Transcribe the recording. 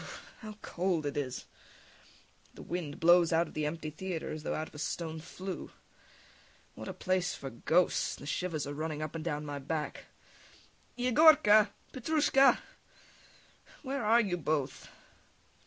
Brr.... How cold it is! The wind blows out of the empty theatre as though out of a stone flue. What a place for ghosts! The shivers are running up and down my back. [Calls] Yegorka! Petrushka! Where are you both?